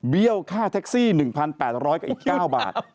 ค่าแท็กซี่๑๘๐๐กับอีก๙บาท